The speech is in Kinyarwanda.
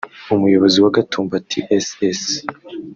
Umuyobozi wa Gatumba Tss